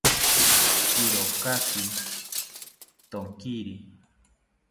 Irokaki thonkiri